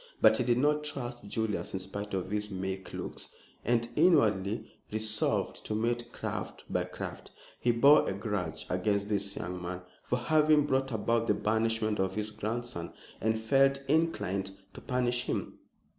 But he did not trust Julius in spite of his meek looks, and inwardly resolved to meet craft by craft. He bore a grudge against this young man for having brought about the banishment of his grandson, and felt inclined to punish him.